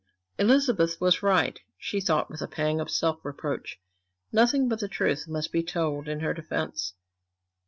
Elizabeth was right, she thought with a pang of self reproach; nothing but the truth must be told in her defence.